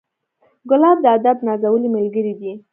ګلاب د ادب نازولی ملګری دی.